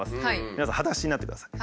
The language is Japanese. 皆さんはだしになってください。